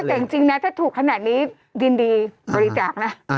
แต่จริงนะถ้าถูกขนาดนี้ยินดีบริจาคนะ